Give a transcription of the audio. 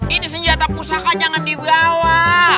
ini senjata pusaka jangan dibawa